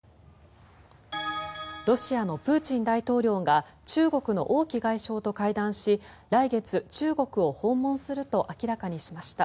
ロシアのプーチン大統領が中国の王毅外相と会談し来月、中国を訪問すると明らかにしました。